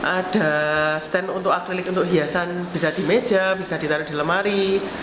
ada stand untuk aklik untuk hiasan bisa di meja bisa ditaruh di lemari